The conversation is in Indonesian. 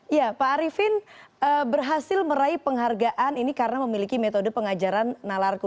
iya pak arifin berhasil meraih penghargaan ini karena memiliki metode pengajaran nalarku